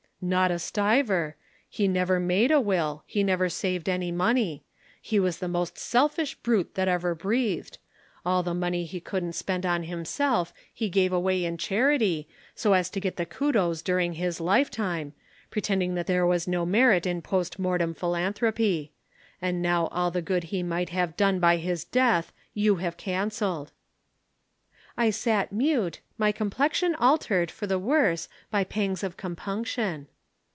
"'Not a stiver. He never made a will, he never saved any money. He was the most selfish brute that ever breathed. All the money he couldn't spend on himself he gave away in charity so as to get the kudos during his lifetime, pretending that there was no merit in post mortem philanthropy. And now all the good he might have done by his death you have cancelled.' "I sat mute, my complexion altered for the worse by pangs of compunction.